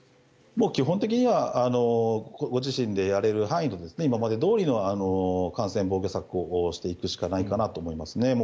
基本的にはご自身でやれる範囲で今までどおりの感染防御策をしていくしかないかなと思いますね。